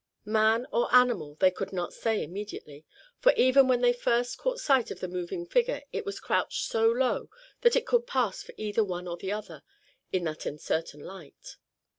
Man or animal, they could not say immediately, for even when they first caught sight of the moving figure it was crouched so low that it could pass for either one or the other, in that uncertain light.